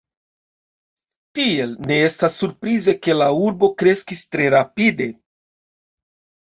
Tiel, ne estas surprize ke la urbo kreskis tre rapide.